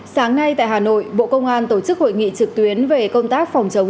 sáng nay tại hà nội bộ công an tổ chức hội nghị trực tuyến về công tác phòng chống